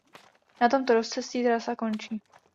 Na tomto rozcestí trasa končí.